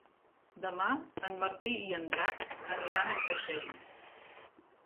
Demà en Martí i en Drac aniran a Creixell.